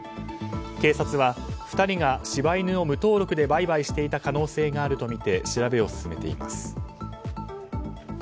警察は２人が柴犬を無登録で売買していた可能性があるとみて調べを進めています。